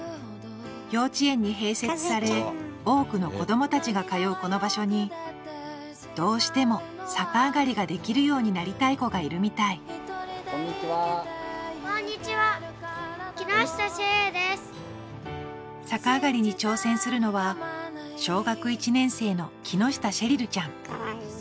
幼稚園に併設され多くの子どもたちが通うこの場所にどうしても逆上がりができるようになりたい子がいるみたい逆上がりに挑戦するのは小学１年生の木下シェリルちゃん。